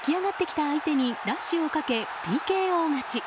更に起き上がってきた相手にラッシュをかけ、ＴＫＯ勝ち。